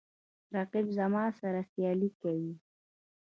رقیب زما سره سیالي کوي